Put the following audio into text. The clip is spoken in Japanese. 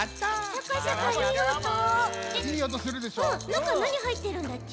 なかなにはいってるんだち？